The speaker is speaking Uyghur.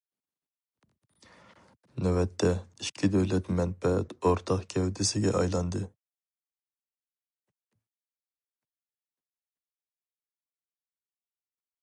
نۆۋەتتە ئىككى دۆلەت مەنپەئەت ئورتاق گەۋدىسىگە ئايلاندى.